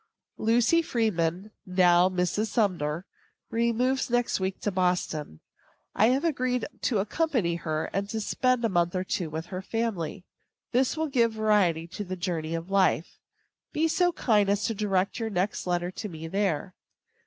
Lucy Freeman, now Mrs. Sumner, removes next week to Boston. I have agreed to accompany her, and spend a month or two in her family. This will give variety to the journey of life. Be so kind as to direct your next letter to me there.